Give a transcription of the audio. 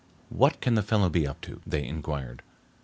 "What can the fellow be up to?" they inquired.